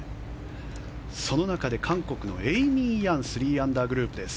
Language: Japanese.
その中で韓国のエイミー・ヤン３アンダーグループです。